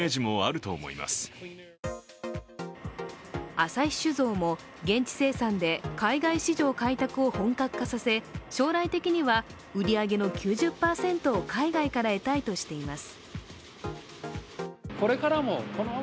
旭酒造も現地生産で海外市場開拓を本格化させ将来的には売り上げの９０％を海外から得たいとしています。